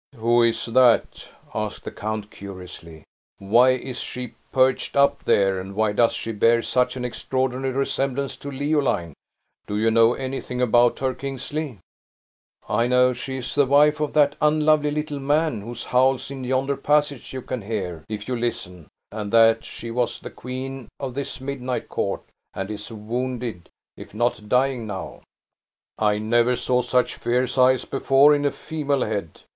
"Who is that?" asked the count, curiously. "Why is she perched up there, and why does she bear such an extraordinary resemblance to Leoline? Do you know anything about her, Kingsley?" "I know she is the wife of that unlovely little man, whose howls in yonder passage you can hear, if you listen, and that she was the queen of this midnight court, and is wounded, if not dying, now!" "I never saw such fierce eyes before in a female head!